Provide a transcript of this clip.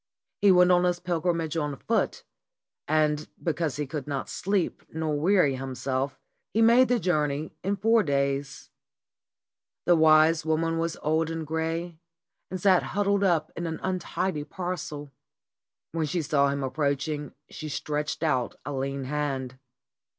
He went on his pilgrimage on foot, and because he could not sleep nor weary himself he made the journey in four days. The wise woman was old and gray, and sat hud dled up in an untidy parcel. When she saw him ap proaching she stretched out a lean hand.